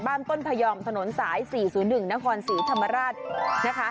บ้านต้นพยอมถนนสาย๔๐๑นครสีธรรมาล